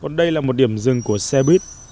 còn đây là một điểm dừng của xe buýt